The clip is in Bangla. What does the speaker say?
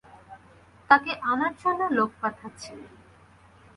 তাকে আনার জন্যে লোক পাঠাচ্ছি।